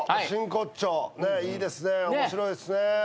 面白いですね。